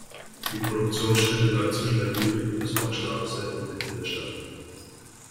Die Produktionsstätte lag zwischen der Ludwig- und Bismarckstraße inmitten der Stadt.